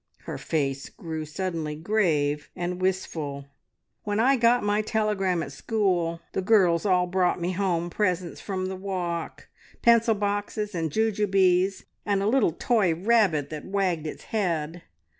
Her face grew suddenly grave and wistful. "When I got my telegram at school, the girls all brought me home presents from the walk pencil boxes, and jujubes, and a little toy rabbit that wagged its head.